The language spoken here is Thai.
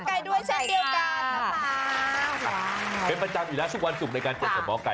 ขอบคุณหมอไก่ด้วยเช่นเดียวกันนะคะ